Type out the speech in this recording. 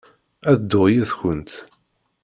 Ad dduɣ yid-kent.